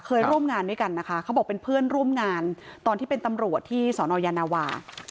เคยร่วมงานด้วยกันนะคะเขาบอกเป็นเพื่อนร่วมงานตอนที่เป็นตำรวจที่สอนอยานวา